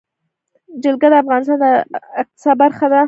جلګه د افغانستان د اقتصاد برخه ده.